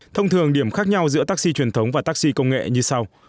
thông thường điểm khác nhau giữa taxi truyền thống và taxi công nghệ như sau